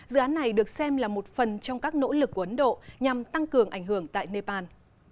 dự án này được xem là một phần trong các nỗ lực của ấn độ nhằm tăng cường ảnh hưởng tại nepal